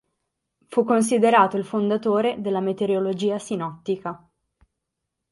Fu considerato il fondatore della meteorologia sinottica.